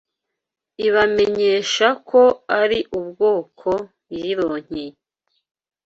ibamenyesha ko ari ubwoko yironkeye